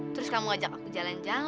terus kamu ngajak aku jalan ke sana